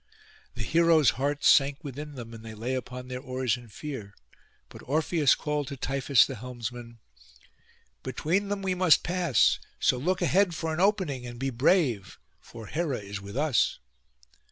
The heroes' hearts sank within them, and they lay upon their oars in fear; but Orpheus called to Tiphys the helmsman, 'Between them we must pass; so look ahead for an opening, and be brave, for Hera is with us.